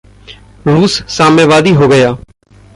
रूस साम्यवादी हो गया।